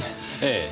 ええ。